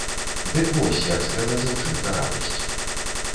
Дык вось як стрэла дзяўчынка радасць.